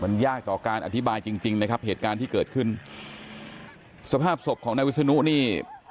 มันยากต่อการอธิบายจริงจริงนะครับเหตุการณ์ที่เกิดขึ้นสภาพศพของนายวิศนุนี่